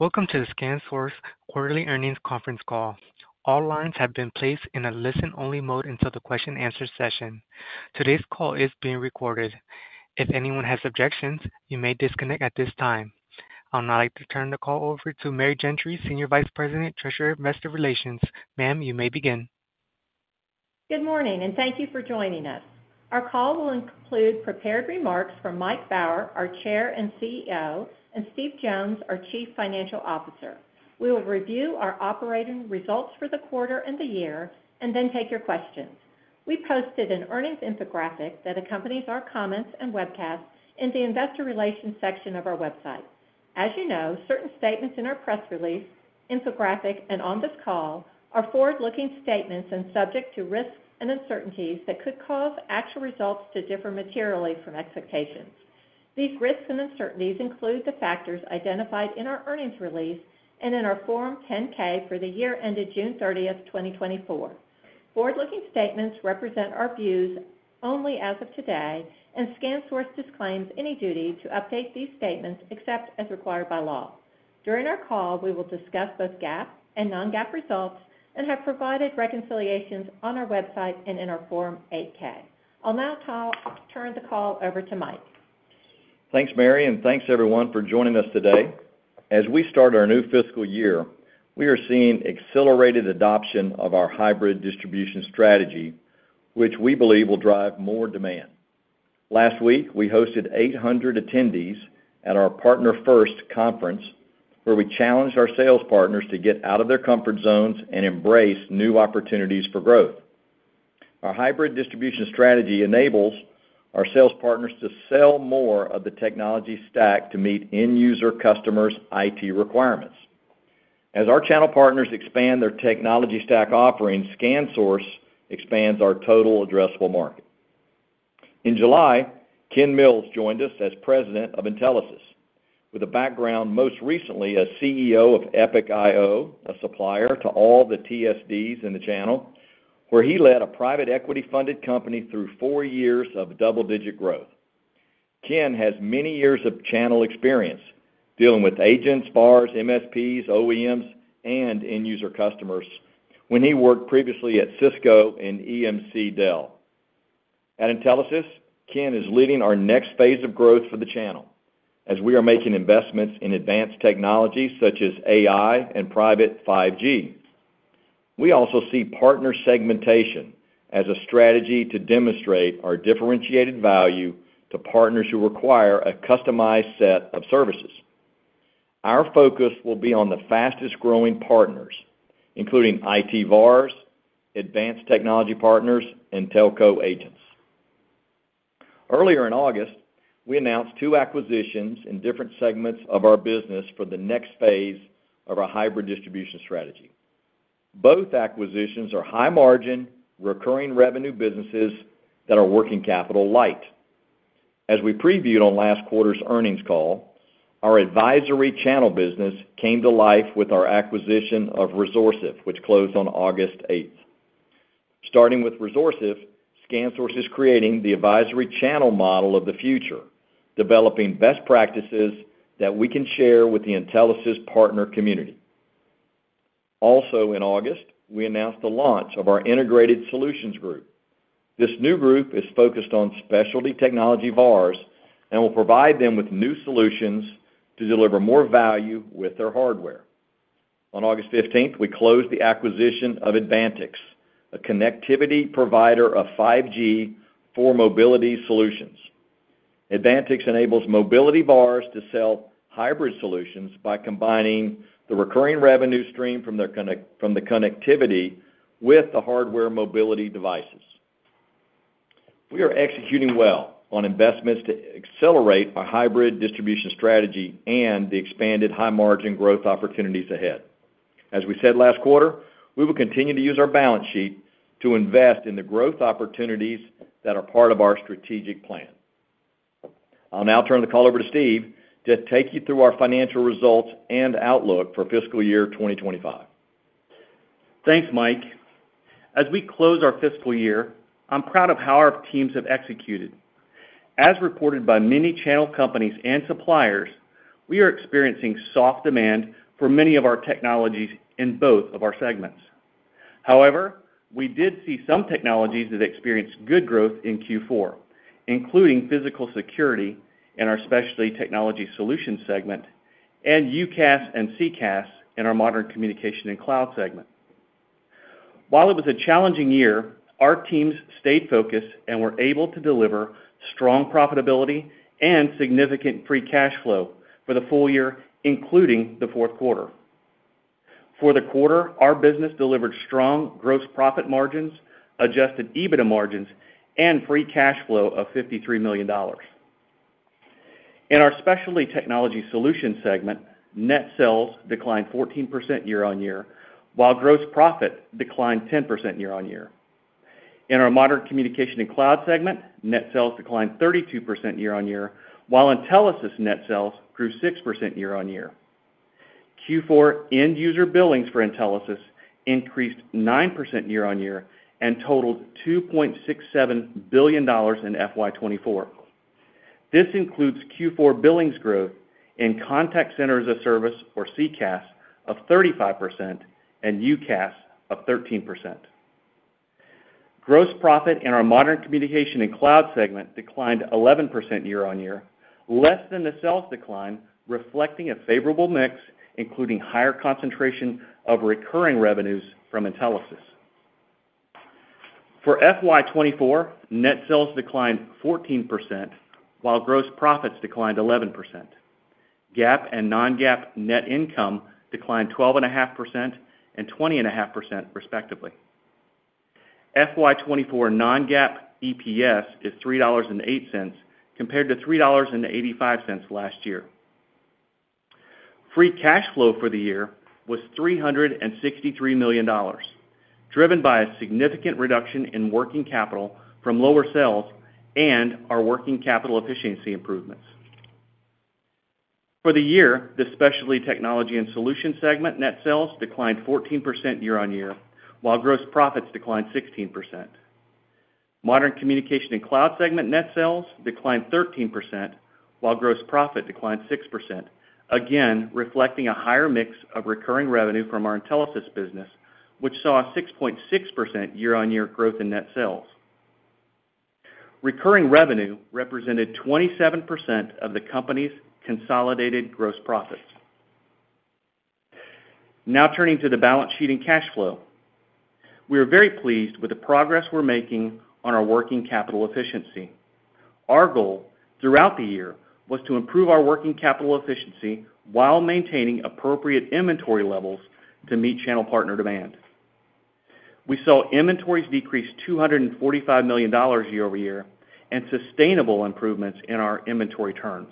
Welcome to the ScanSource Quarterly Earnings Conference Call. All lines have been placed in a listen-only mode until the Q&A session. Today's call is being recorded. If anyone has objections, you may disconnect at this time. I would now like to turn the call over to Mary Gentry, Senior Vice President, Treasurer, Investor Relations. Ma'am, you may begin. Good morning, and thank you for joining us. Our call will include prepared remarks from Mike Baur, our Chair and CEO, and Steve Jones, our Chief Financial Officer. We will review our operating results for the quarter and the year, and then take your questions. We posted an earnings infographic that accompanies our comments and webcast in the Investor Relations section of our website. As you know, certain statements in our press release, infographic, and on this call are forward-looking statements and subject to risks and uncertainties that could cause actual results to differ materially from expectations. These risks and uncertainties include the factors identified in our earnings release and in our Form 10-K for the year ended June thirtieth, twenty twenty-four. Forward-looking statements represent our views only as of today, and ScanSource disclaims any duty to update these statements except as required by law. During our call, we will discuss both GAAP and non-GAAP results and have provided reconciliations on our website and in our Form 8-K. I'll now turn the call over to Mike. Thanks, Mary, and thanks, everyone, for joining us today. As we start our new FY, we are seeing accelerated adoption of our hybrid distribution strategy, which we believe will drive more demand. Last week, we hosted 800 attendees at our Partner First conference, where we challenged our sales partners to get out of their comfort zones and embrace new opportunities for growth. Our hybrid distribution strategy enables our sales partners to sell more of the technology stack to meet end user customers' IT requirements. As our channel partners expand their technology stack offerings, ScanSource expands our total addressable market. In July, Ken Mills joined us as President of Intelisys, with a background most recently as CEO of Epic iO, a supplier to all the TSDs in the channel, where he led a private equity-funded company through four years of double-digit growth. Ken has many years of channel experience dealing with agents, VARs, MSPs, OEMs, and end user customers when he worked previously at Cisco and Dell EMC. At Intelisys, Ken is leading our next phase of growth for the channel, as we are making investments in advanced technologies such as AI and private 5G. We also see partner segmentation as a strategy to demonstrate our differentiated value to partners who require a customized set of services. Our focus will be on the fastest-growing partners, including IT VARs, advanced technology partners, and telco agents. Earlier in August, we announced two acquisitions in different segments of our business for the next phase of our hybrid distribution strategy. Both acquisitions are high margin, recurring revenue businesses that are working capital light. As we previewed on last quarter's earnings call, our advisory channel business came to life with our acquisition of Resorsive, which closed on August eighth. Starting with Resorsive, ScanSource is creating the advisory channel model of the future, developing best practices that we can share with the Intelisys partner community. Also in August, we announced the launch of our Integrated Solutions Group. This new group is focused on specialty technology VARs and will provide them with new solutions to deliver more value with their hardware. On August fifteenth, we closed the acquisition of Advantix, a connectivity provider of 5G for mobility solutions. Advantix enables mobility VARs to sell hybrid solutions by combining the recurring revenue stream from the connectivity with the hardware mobility devices. We are executing well on investments to accelerate our hybrid distribution strategy and the expanded high-margin growth opportunities ahead. As we said last quarter, we will continue to use our balance sheet to invest in the growth opportunities that are part of our strategic plan. I'll now turn the call over to Steve to take you through our financial results and outlook for FY 2025. Thanks, Mike. As we close our FY, I'm proud of how our teams have executed. As reported by many channel companies and suppliers, we are experiencing soft demand for many of our technologies in both of our segments. However, we did see some technologies that experienced good growth in Q4, including physical security in our Specialty Technology Solutions segment and UCaaS and CCaaS in our Modern Communication and Cloud segment. While it was a challenging year, our teams stayed focused and were able to deliver strong profitability and significant free cash flow for the full year, including the Q4. For the quarter, our business delivered strong gross profit margins, Adjusted EBITDA margins, and free cash flow of $53 million. In our Specialty Technology Solutions segment, net sales declined 14% year on year, while gross profit declined 10% year on year. In our Modern Communication and Cloud segment, net sales declined 32% year on year, while Intelisys net sales grew 6% year on year. Q4 end-user billings for Intelisys increased 9% year on year and totaled $2.67 billion in FY 2024. This includes Q4 billings growth in Contact Center as a Service, or CCaaS, of 35% and UCaaS of 13%. Gross profit in our Modern Communication and Cloud segment declined 11% year-on-year, less than the sales decline, reflecting a favorable mix, including higher concentration of recurring revenues from Intelisys. For FY 2024, net sales declined 14%, while gross profits declined 11%. GAAP and non-GAAP net income declined 12.5% and 20.5%, respectively. FY 2024 non-GAAP EPS is $3.08, compared to $3.85 last year. Free cash flow for the year was $363 million, driven by a significant reduction in working capital from lower sales and our working capital efficiency improvements. For the year, the Specialty Technology and Solutions segment net sales declined 14% year-on-year, while gross profits declined 16%. Modern Communication and Cloud segment net sales declined 13%, while gross profit declined 6%, again, reflecting a higher mix of recurring revenue from our Intelisys business, which saw a 6.6% year-on-year growth in net sales. Recurring revenue represented 27% of the company's consolidated gross profits. Now turning to the balance sheet and cash flow. We are very pleased with the progress we're making on our working capital efficiency. Our goal throughout the year was to improve our working capital efficiency while maintaining appropriate inventory levels to meet channel partner demand. We saw inventories decrease $245 million year-over-year, and sustainable improvements in our inventory turns.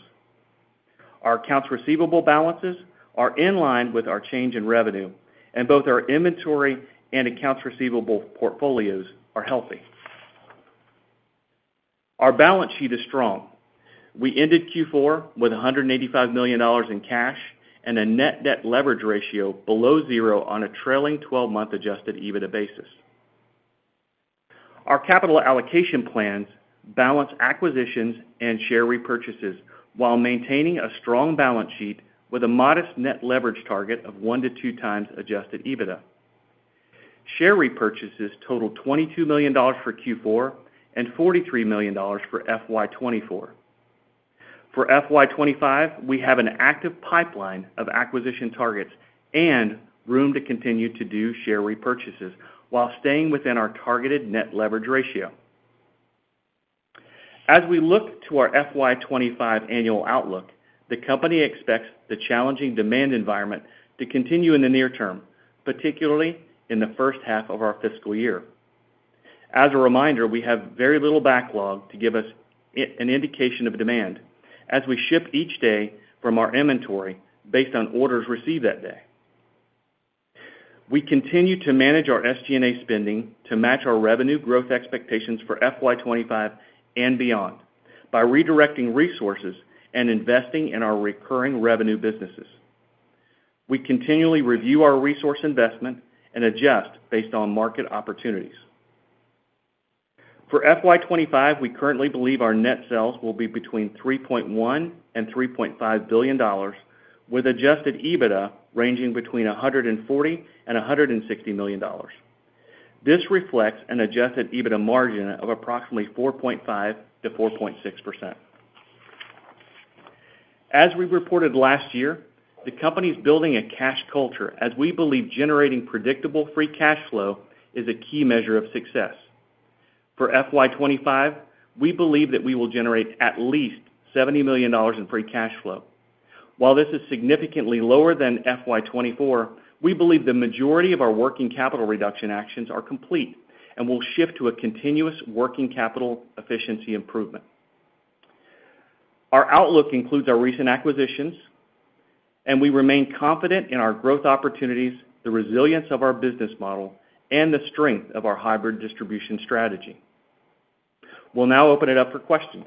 Our accounts receivable balances are in line with our change in revenue, and both our inventory and accounts receivable portfolios are healthy. Our balance sheet is strong. We ended Q4 with $185 million in cash and a net debt leverage ratio below zero on a trailing twelve-month adjusted EBITDA basis. Our capital allocation plans balance acquisitions and share repurchases while maintaining a strong balance sheet with a modest net leverage target of one to two times adjusted EBITDA. Share repurchases totaled $22 million for Q4 and $43 million for FY 2024. For FY 2025, we have an active pipeline of acquisition targets and room to continue to do share repurchases while staying within our targeted net leverage ratio. As we look to our FY twenty-five annual outlook, the company expects the challenging demand environment to continue in the near term, particularly in the H1 of our FY. As a reminder, we have very little backlog to give us an indication of demand as we ship each day from our inventory based on orders received that day. We continue to manage our SG&A spending to match our revenue growth expectations for FY twenty-five and beyond by redirecting resources and investing in our recurring revenue businesses. We continually review our resource investment and adjust based on market opportunities. For FY twenty-five, we currently believe our net sales will be between $3.1 billion and $3.5 billion, with adjusted EBITDA ranging between $140 million and $160 million. This reflects an Adjusted EBITDA margin of approximately 4.5%-4.6%. As we reported last year, the company's building a cash culture, as we believe generating predictable Free Cash Flow is a key measure of success. For FY 2025, we believe that we will generate at least $70 million in Free Cash Flow. While this is significantly lower than FY 2024, we believe the majority of our working capital reduction actions are complete and will shift to a continuous working capital efficiency improvement. Our outlook includes our recent acquisitions, and we remain confident in our growth opportunities, the resilience of our business model, and the strength of our Hybrid Distribution strategy. We'll now open it up for questions.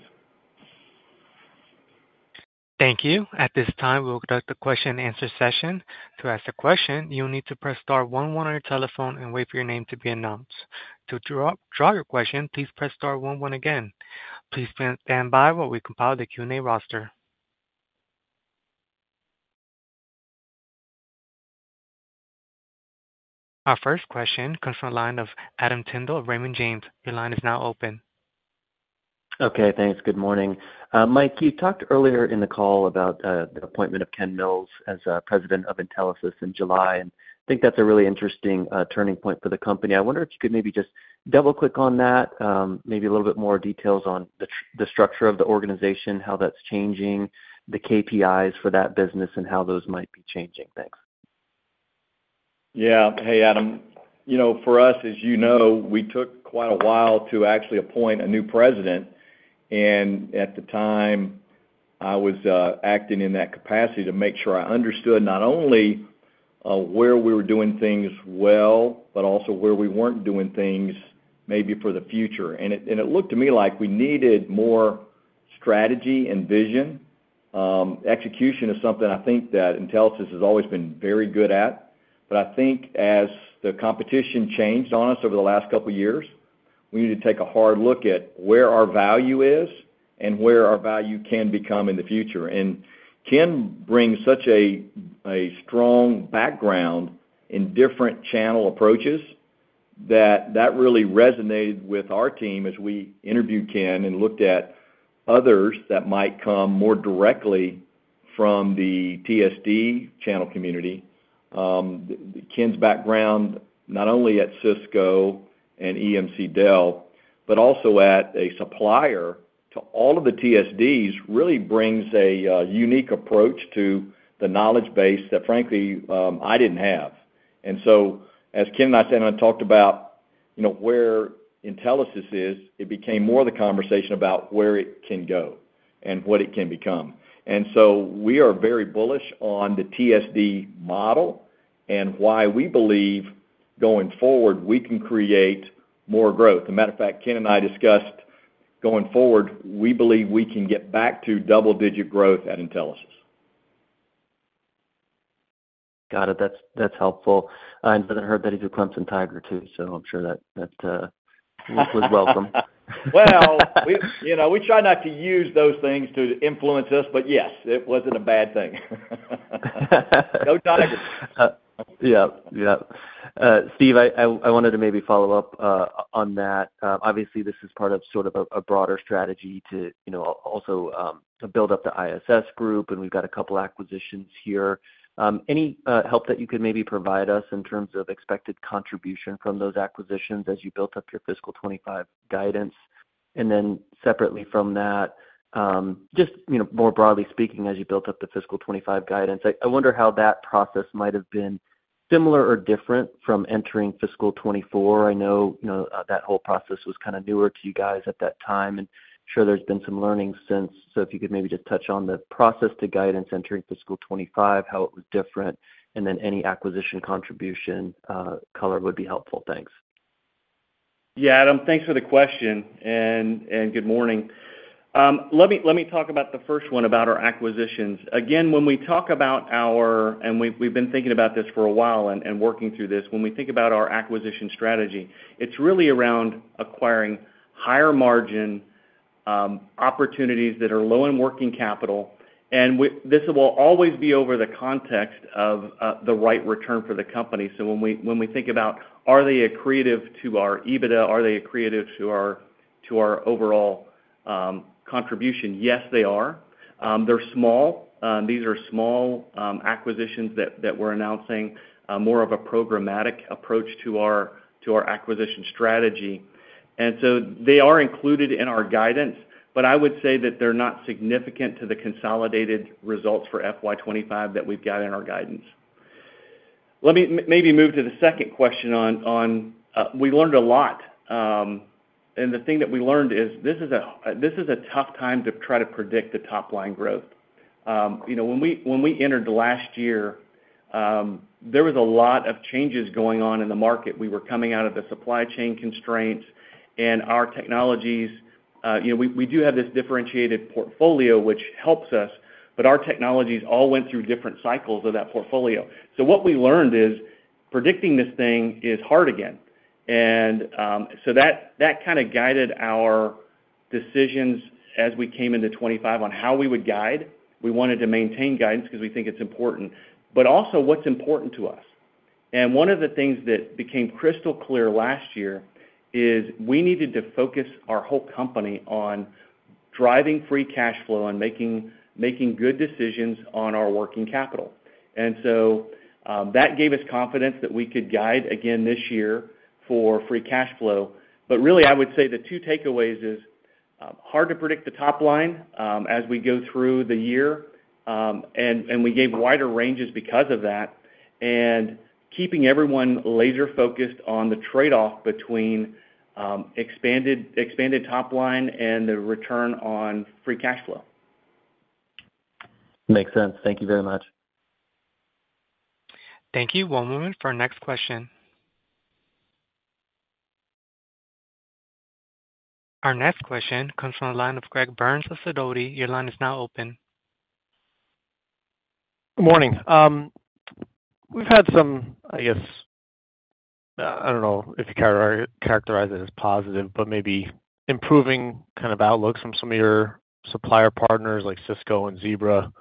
Thank you. At this time, we'll conduct the Q&A session. To ask a question, you'll need to press star one one on your telephone and wait for your name to be announced. To withdraw your question, please press star one one again. Please stand by while we compile the Q&A roster. Our first question comes from the line of Adam Tindle, Raymond James. Your line is now open. Okay, thanks. Good morning. Mike, you talked earlier in the call about the appointment of Ken Mills as President of Intelisys in July, and I think that's a really interesting turning point for the company. I wonder if you could maybe just double-click on that, maybe a little bit more details on the structure of the organization, how that's changing, the KPIs for that business, and how those might be changing. Thanks. Adam. You know, for us, as you know, we took quite a while to actually appoint a new president, and at the time, I was acting in that capacity to make sure I understood not only where we were doing things well, but also where we weren't doing things maybe for the future, and it looked to me like we needed more strategy and vision. Execution is something I think that Intelisys has always been very good at, but I think as the competition changed on us over the last couple of years, we need to take a hard look at where our value is and where our value can become in the future. Ken brings such a strong background in different channel approaches that really resonated with our team as we interviewed Ken and looked at others that might come more directly from the TSD channel community. Ken's background, not only at Cisco and Dell EMC, but also at a supplier to all of the TSDs, really brings a unique approach to the knowledge base that, frankly, I didn't have. So as Ken and I sat and I talked about, you know, where Intelisys is, it became more the conversation about where it can go and what it can become. So we are very bullish on the TSD model and why we believe, going forward, we can create more growth. As a matter of fact, Ken and I discussed, going forward, we believe we can get back to double-digit growth at Intelisys. Got it. That's helpful. I also heard that he's a Clemson Tiger, too, so I'm sure that was welcome. You know, we try not to use those things to influence us, but yes, it wasn't a bad thing. Go, Tigers! Yep, yep. Steve, I wanted to maybe follow up on that. Obviously, this is part of sort of a broader strategy to, you know, also to build up the ISG group, and we've got a couple acquisitions here. Any help that you could maybe provide us in terms of expected contribution from those acquisitions as you built up your FY 2025 guidance? And then separately from that, just, you know, more broadly speaking, as you built up the FY 2025 guidance, I wonder how that process might have been similar or different from entering FY 2024. I know, you know, that whole process was kind of newer to you guys at that time, and I'm sure there's been some learnings since. If you could maybe just touch on the process to guidance entering FY 2025, how it was different, and then any acquisition contribution color would be helpful. Thanks. Adam, thanks for the question, and good morning. Let me talk about the first one about our acquisitions. Again, when we talk about our, and we've been thinking about this for a while and working through this. When we think about our acquisition strategy, it's really around acquiring higher margin opportunities that are low in working capital, and this will always be over the context of the right return for the company. So when we think about, are they accretive to our EBITDA? Are they accretive to our overall contribution? Yes, they are. They're small. These are small acquisitions that we're announcing, more of a programmatic approach to our acquisition strategy. And so they are included in our guidance, but I would say that they're not significant to the consolidated results for FY 2025 that we've got in our guidance. Let me maybe move to the second question on. We learned a lot, and the thing that we learned is, this is a tough time to try to predict the top line growth. You know, when we, when we entered last year, there was a lot of changes going on in the market. We were coming out of the supply chain constraints and our technologies. You know, we, we do have this differentiated portfolio, which helps us, but our technologies all went through different cycles of that portfolio. So what we learned is predicting this thing is hard again. And, so that kind of guided our decisions as we came into 2025 on how we would guide. We wanted to maintain guidance because we think it's important, but also what's important to us. And one of the things that became crystal clear last year is we needed to focus our whole company on driving free cash flow and making good decisions on our working capital. And so, that gave us confidence that we could guide again this year for free cash flow. But really, I would say the two takeaways is hard to predict the top line as we go through the year, and we gave wider ranges because of that, and keeping everyone laser-focused on the trade-off between expanded top line and the return on free cash flow. Makes sense. Thank you very much. Thank you. One moment for our next question. Our next question comes from the line of Greg Burns with Sidoti. Your line is now open. Good morning. I guess, I don't know if you characterize it as positive, but maybe improving kind of outlook from some of your supplier partners like Cisco and Zebra,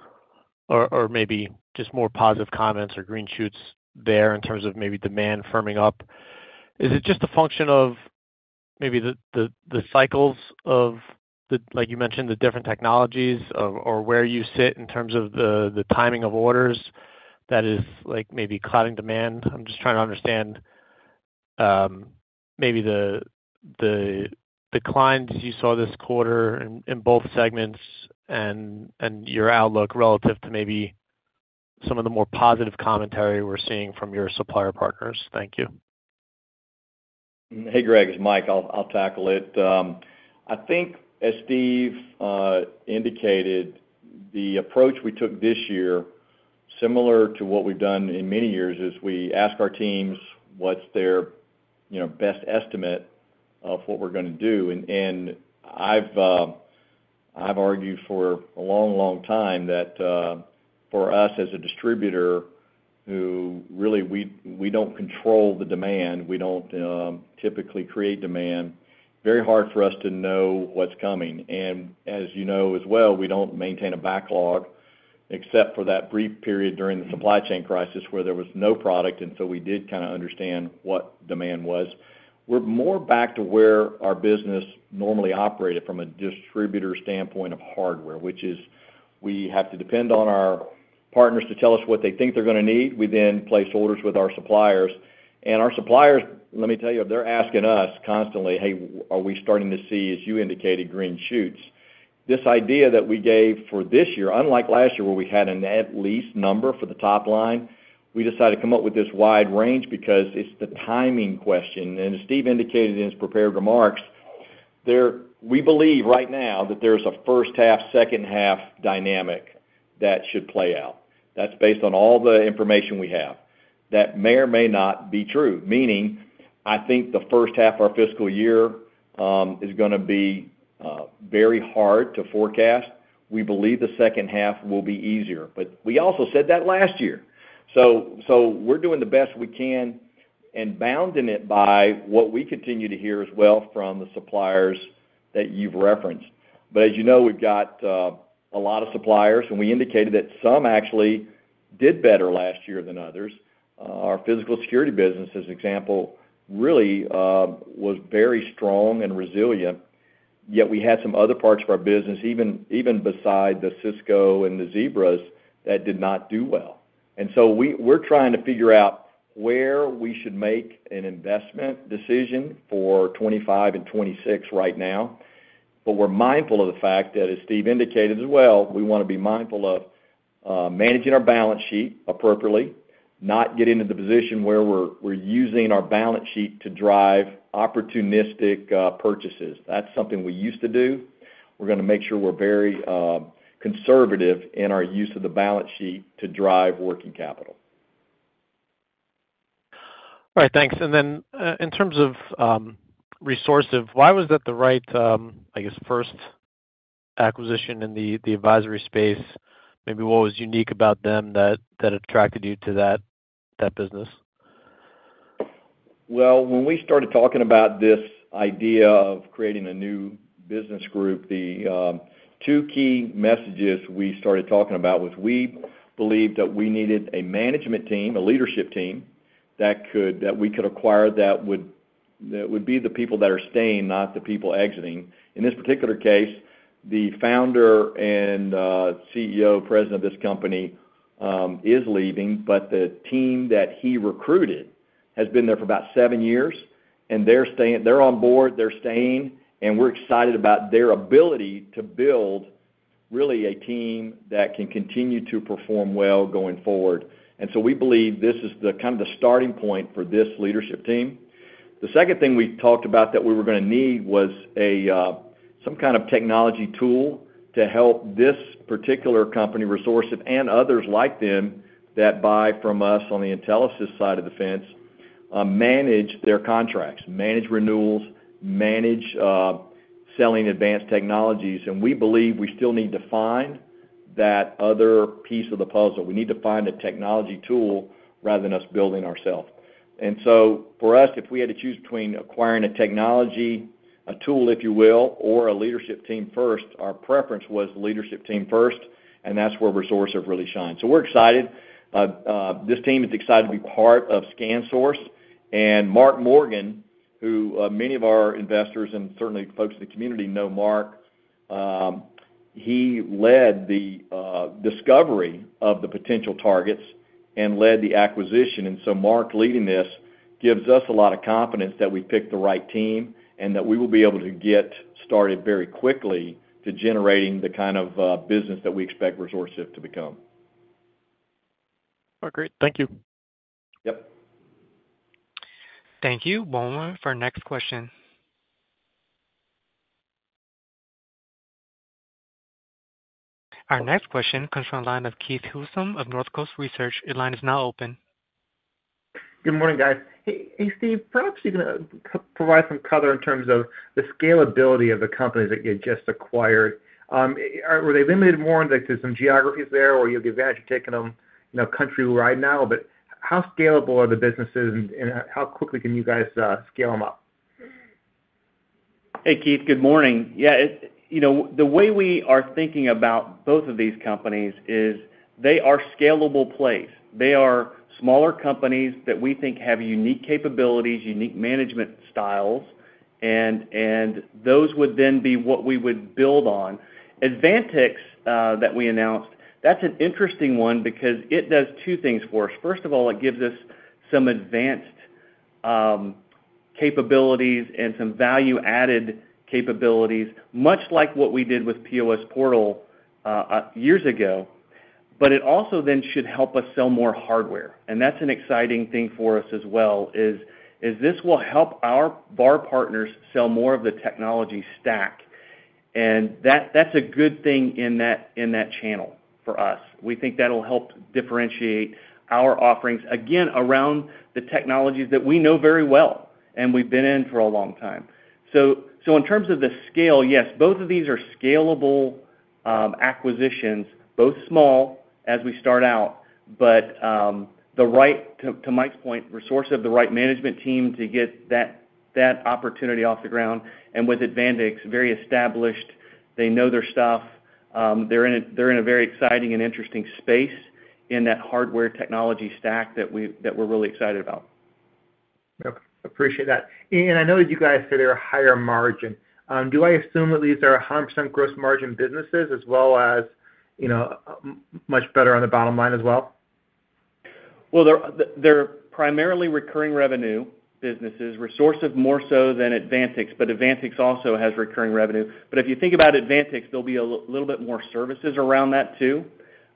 or maybe just more positive comments or green shoots there in terms of maybe demand firming up. Is it just a function of maybe the cycles of the, like you mentioned, the different technologies of, or where you sit in terms of the timing of orders that is, like, maybe clouding demand? I'm just trying to understand, maybe the declines you saw this quarter in both segments and your outlook relative to maybe some of the more positive commentary we're seeing from your supplier partners. Thank you. Hey, Greg, it's Mike. I'll tackle it. I think, as Steve indicated, the approach we took this year-... similar to what we've done in many years, is we ask our teams what's their, you know, best estimate of what we're gonna do. And, and I've argued for a long, long time that, for us, as a distributor, who really, we don't control the demand, we don't typically create demand, very hard for us to know what's coming. And as you know as well, we don't maintain a backlog, except for that brief period during the supply chain crisis, where there was no product, and so we did kinda understand what demand was. We're more back to where our business normally operated from a distributor standpoint of hardware, which is we have to depend on our partners to tell us what they think they're gonna need. We then place orders with our suppliers. Our suppliers, let me tell you, they're asking us constantly, "Hey, are we starting to see," as you indicated, "green shoots?" This idea that we gave for this year, unlike last year, where we had an at least number for the top line, we decided to come up with this wide range because it's the timing question. As Steve indicated in his prepared remarks, we believe right now that there's a H1, H2 dynamic that should play out. That's based on all the information we have. That may or may not be true, meaning, I think the H1 of our FY is gonna be very hard to forecast. We believe the H2 will be easier, but we also said that last year. So, so we're doing the best we can and bounding it by what we continue to hear as well from the suppliers that you've referenced. But as you know, we've got a lot of suppliers, and we indicated that some actually did better last year than others. Our physical security business, as an example, really was very strong and resilient, yet we had some other parts of our business, even beside the Cisco and the Zebras, that did not do well, and so we're trying to figure out where we should make an investment decision for 2025 and 2026 right now, but we're mindful of the fact that, as Steve indicated as well, we wanna be mindful of managing our balance sheet appropriately, not getting into the position where we're using our balance sheet to drive opportunistic purchases. That's something we used to do. We're gonna make sure we're very, conservative in our use of the balance sheet to drive working capital. All right, thanks. And then, in terms of Resorsive, why was that the right, I guess, first acquisition in the advisory space? Maybe what was unique about them that attracted you to that business? When we started talking about this idea of creating a new business group, the two key messages we started talking about was, we believed that we needed a management team, a leadership team, that we could acquire, that would be the people that are staying, not the people exiting. In this particular case, the founder and CEO, president of this company, is leaving, but the team that he recruited has been there for about seven years, and they're staying. They're on board, they're staying, and we're excited about their ability to build, really, a team that can continue to perform well going forward. So we believe this is the kind of starting point for this leadership team. The second thing we talked about that we were gonna need was some kind of technology tool to help this particular company, Resorsive, and others like them that buy from us on the Intelisys side of the fence, manage their contracts, manage renewals, manage selling advanced technologies, and we believe we still need to find that other piece of the puzzle. We need to find a technology tool rather than us building ourselves, and so for us, if we had to choose between acquiring a technology, a tool, if you will, or a leadership team first, our preference was the leadership team first, and that's where Resorsive really shines, so we're excited. This team is excited to be part of ScanSource. And Mark Morgan, who, many of our investors and certainly folks in the community know Mark, he led the discovery of the potential targets and led the acquisition. And so Mark leading this gives us a lot of confidence that we picked the right team, and that we will be able to get started very quickly to generating the kind of business that we expect Resorsive to become. Oh, great, thank you. Yep. Thank you. Our next question comes from the line of Keith Housum of North Coast Research. Your line is now open. Good morning, guys. Hey, Steve, perhaps you can provide some color in terms of the scalability of the companies that you just acquired. Were they limited more into some geographies there, or you have advantage of taking them, you know, countrywide now? But how scalable are the businesses, and how quickly can you guys scale them up? Hey, Keith, good morning. You know, the way we are thinking about both of these companies is, they are scalable plays. They are smaller companies that we think have unique capabilities, unique management styles, and those would then be what we would build on. Advantix, that we announced, that's an interesting one because it does two things for us. First of all, it gives us some advanced capabilities and some value-added capabilities, much like what we did with POS Portal years ago, but it also then should help us sell more hardware. And that's an exciting thing for us as well, is this will help our VAR partners sell more of the technology stack.... and that, that's a good thing in that channel for us. We think that'll help differentiate our offerings, again, around the technologies that we know very well, and we've been in for a long time. So in terms of the scale, yes, both of these are scalable acquisitions, both small as we start out. But the right, to Mike's point, Resorsive, the right management team to get that opportunity off the ground, and with Advantix, very established, they know their stuff, they're in a very exciting and interesting space in that hardware technology stack that we're really excited about. Yep, appreciate that. And I know that you guys said they are higher margin. Do I assume that these are 100% gross margin businesses as well as, you know, much better on the bottom line as well? They're primarily recurring revenue businesses, Resorsive more so than Advantix, but Advantix also has recurring revenue. But if you think about Advantix, there'll be a little bit more services around that too,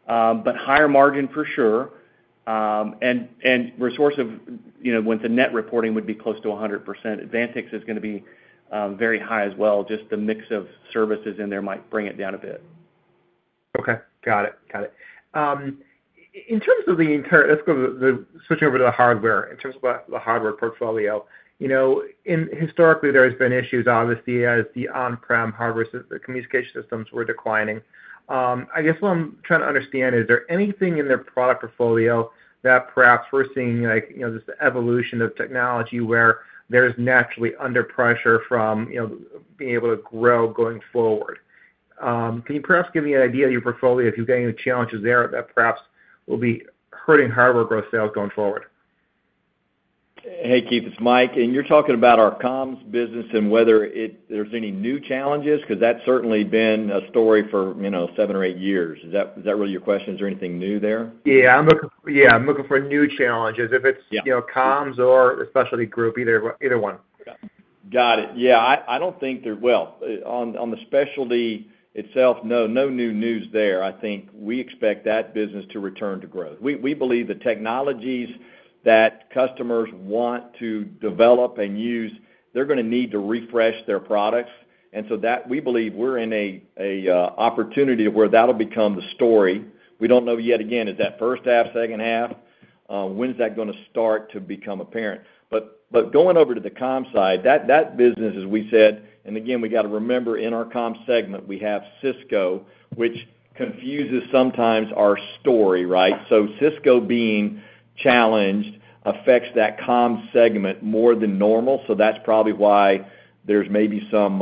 but higher margin for sure, and Resorsive, you know, with the net reporting would be close to 100%. Advantix is gonna be very high as well. Just the mix of services in there might bring it down a bit. Okay. Got it. Got it. Switching over to the hardware, in terms of the hardware portfolio, you know, historically, there's been issues, obviously, as the on-prem hardware systems, communication systems were declining. I guess what I'm trying to understand, is there anything in their product portfolio that perhaps we're seeing, like, you know, just the evolution of technology where there's naturally under pressure from, you know, being able to grow going forward? Can you perhaps give me an idea of your portfolio, if you've got any challenges there that perhaps will be hurting hardware growth sales going forward? Hey, Keith, it's Mike, and you're talking about our comms business and whether it, there's any new challenges? 'Cause that's certainly been a story for, you know, seven or eight years. Is that, is that really your question? Is there anything new there? I'm looking for new challenges. Yeah. If it's, you know, comms or specialty group, either one. Got it.I don't think there. Well, on the specialty itself, no new news there. I think we expect that business to return to growth. We believe the technologies that customers want to develop and use, they're gonna need to refresh their products. And so that, we believe we're in an opportunity where that'll become the story. We don't know yet, again, is that H1, H2, when's that gonna start to become apparent? But going over to the comms side, that business, as we said, and again, we got to remember, in our comms segment, we have Cisco, which confuses sometimes our story, right? So Cisco being challenged affects that comms segment more than normal, so that's probably why there's maybe some,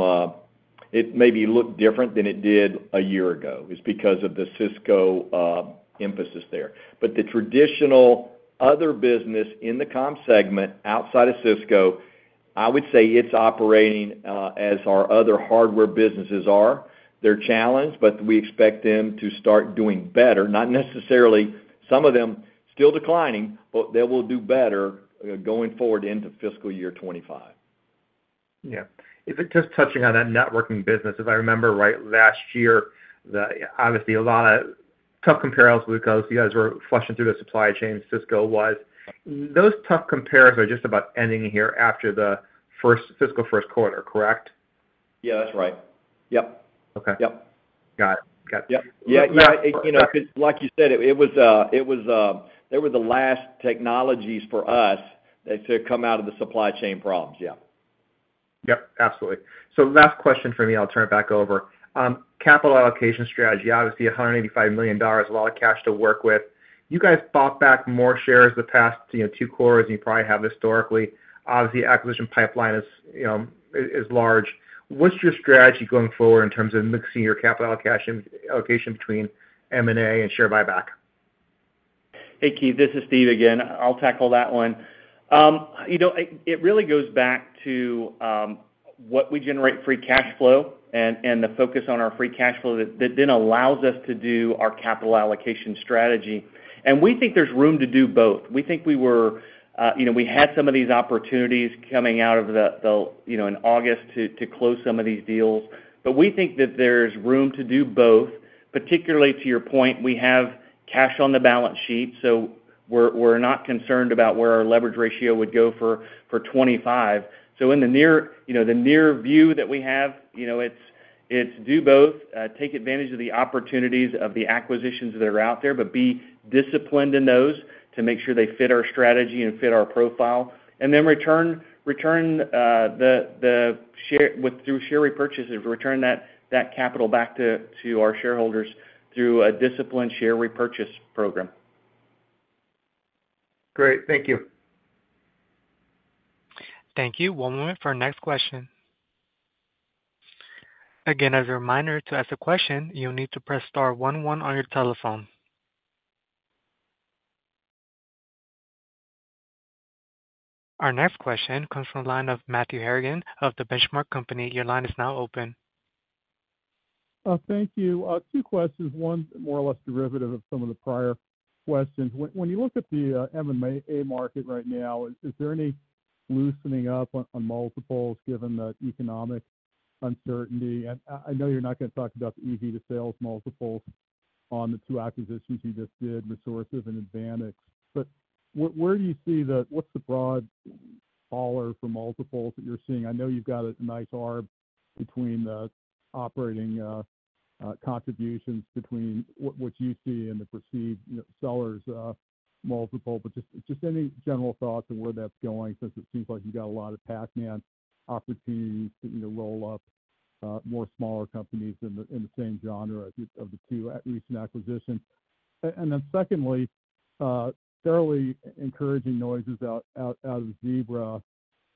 it maybe look different than it did a year ago, is because of the Cisco emphasis there. But the traditional other business in the comms segment, outside of Cisco, I would say it's operating, as our other hardware businesses are. They're challenged, but we expect them to start doing better, not necessarily, some of them still declining, but they will do better going forward into FY 2025. Just touching on that networking business, if I remember right, last year, the, obviously, a lot of tough comparisons because you guys were flushing through the supply chain, Cisco-wise. Those tough compares are just about ending here after the first FY quarter, correct? That's right. Yep. Okay. Yep. Got it. Got it. Like you said, it was, they were the last technologies for us to come out of the supply chain problems. Yep, absolutely. So last question for me, I'll turn it back over. Capital allocation strategy, obviously $185 million, a lot of cash to work with. You guys bought back more shares the past, you know, two quarters, you probably have historically. Obviously, acquisition pipeline is, you know, large. What's your strategy going forward in terms of mixing your capital allocation between M&A and share buyback? Hey, Keith, this is Steve again. I'll tackle that one. You know, it really goes back to what we generate free cash flow and the focus on our free cash flow that then allows us to do our capital allocation strategy. And we think there's room to do both. We think we were, you know, we had some of these opportunities coming out of the, you know, in August to close some of these deals. But we think that there's room to do both, particularly to your point, we have cash on the balance sheet, so we're not concerned about where our leverage ratio would go for twenty-five. So in the near, you know, the near view that we have, you know, it's to do both, take advantage of the opportunities of the acquisitions that are out there, but be disciplined in those to make sure they fit our strategy and fit our profile. And then return the shareholder wealth through share repurchases, return that capital back to our shareholders through a disciplined share repurchase program. Great. Thank you. Thank you. One moment for our next question. Again, as a reminder, to ask a question, you'll need to press star one one on your telephone. Our next question comes from the line of Matthew Harrigan of The Benchmark Company. Your line is now open. Thank you. Two questions, one more or less derivative of some of the prior questions. When you look at the M&A market right now, is there any loosening up on multiples given the economic uncertainty? And I know you're not gonna talk about the EV to sales multiples on the two acquisitions you just did, Resorsive and Advantix, but where do you see what's the broad color for multiples that you're seeing? I know you've got a nice arb between the operating contributions between what you see and the perceived, you know, sellers multiple, but just any general thoughts on where that's going, since it seems like you got a lot of Pac-Man opportunities to, you know, roll up more smaller companies in the same genre of the two recent acquisitions. And then secondly, fairly encouraging noises out of Zebra.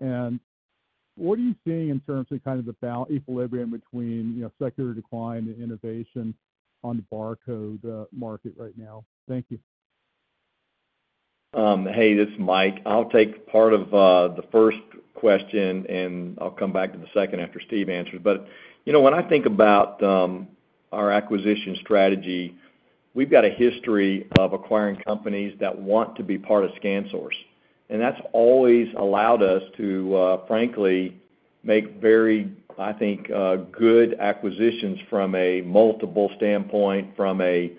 And what are you seeing in terms of kind of the equilibrium between, you know, secular decline and innovation on the barcode market right now? Thank you. Hey, this is Mike. I'll take part of the first question, and I'll come back to the second after Steve answers, but you know, when I think about our acquisition strategy, we've got a history of acquiring companies that want to be part of ScanSource, and that's always allowed us to frankly make very, I think, good acquisitions from a multiple standpoint, from a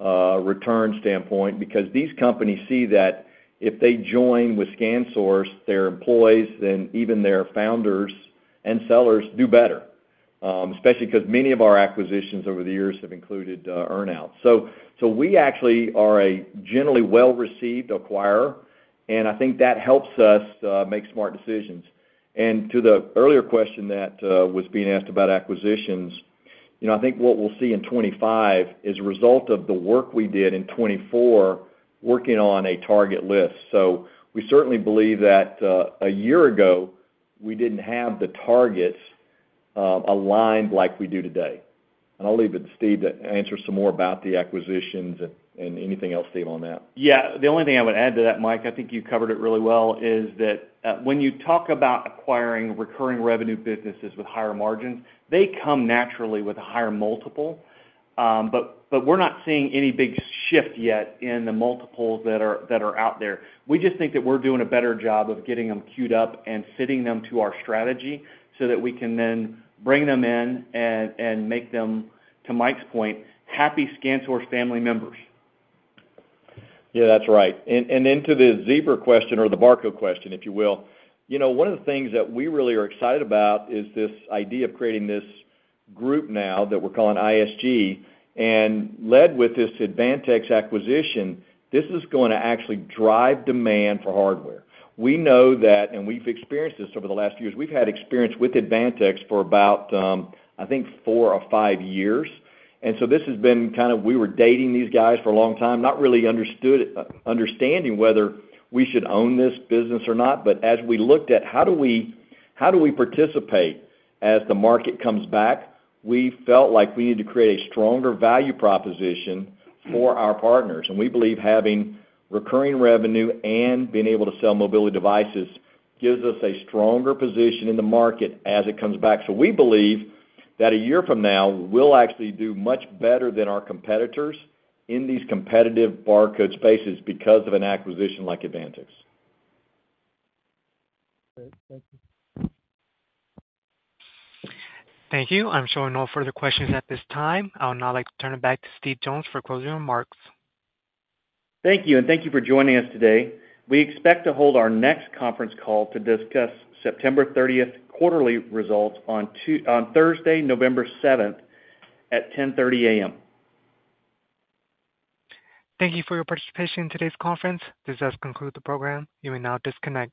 return standpoint. Because these companies see that if they join with ScanSource, their employees and even their founders and sellers do better, especially 'cause many of our acquisitions over the years have included earn-out, so we actually are a generally well-received acquirer, and I think that helps us make smart decisions. And to the earlier question that was being asked about acquisitions, you know, I think what we'll see in 2025 is a result of the work we did in 2024, working on a target list. So we certainly believe that a year ago, we didn't have the targets aligned like we do today. And I'll leave it to Steve to answer some more about the acquisitions, and anything else, Steve, on that. The only thing I would add to that, Mike, I think you covered it really well, is that, when you talk about acquiring recurring revenue businesses with higher margins, they come naturally with a higher multiple. But, we're not seeing any big shift yet in the multiples that are out there. We just think that we're doing a better job of getting them queued up and fitting them to our strategy, so that we can then bring them in and make them, to Mike's point, happy ScanSource family members. That's right. And, and then to the Zebra question or the barcode question, if you will. You know, one of the things that we really are excited about is this idea of creating this group now that we're calling ISG, and led with this Advantix acquisition, this is going to actually drive demand for hardware. We know that, and we've experienced this over the last few years. We've had experience with Advantix for about, I think four or five years, and so this has been kind of, we were dating these guys for a long time, not really understanding whether we should own this business or not. But as we looked at how do we participate as the market comes back, we felt like we need to create a stronger value proposition for our partners. We believe having recurring revenue and being able to sell mobility devices gives us a stronger position in the market as it comes back. We believe that a year from now, we'll actually do much better than our competitors in these competitive barcode spaces because of an acquisition like Advantix. Great. Thank you. Thank you. I'm showing no further questions at this time. I would now like to turn it back to Steve Jones for closing remarks. Thank you, and thank you for joining us today. We expect to hold our next conference call to discuss September thirtieth quarterly results on Thursday, November seventh at 10:30 A.M. Thank you for your participation in today's conference. This does conclude the program. You may now disconnect.